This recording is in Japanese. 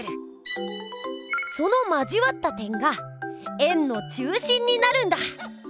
その交わった点が円の中心になるんだ。